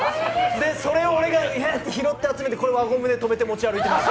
それを俺が拾って集めて輪ゴムでとめて持ち歩いていました。